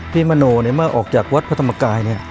มโนเนี่ยเมื่อออกจากวัดพระธรรมกายเนี่ย